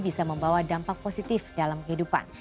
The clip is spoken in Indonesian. bisa membawa dampak positif dalam kehidupan